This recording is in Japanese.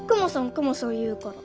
クマさん言うから。